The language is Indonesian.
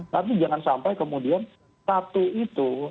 tapi jangan sampai kemudian satu itu